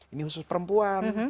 ini khusus perempuan